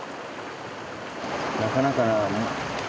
なかなか。